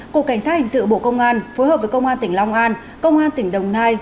cục cảnh sát hình sự bộ công an phối hợp với công an tỉnh long an công an tỉnh đồng nai